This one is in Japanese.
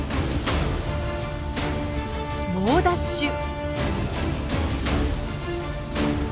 猛ダッシュ！